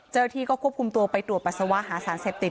เจ้าหน้าที่ก็ควบคุมตัวไปตรวจปัสสาวะหาสารเสพติด